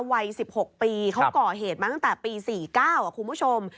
วัย๑๖ปีเขาก่อเหตุมาตั้งแต่ปี๔๙คุณผู้ชม